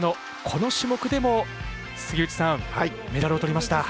この種目でも、杉内さんメダルをとりました。